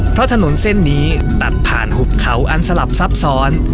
เพราะถนนเส้นนี้ตัดผ่านหุบเขาอันสลับซับซ้อน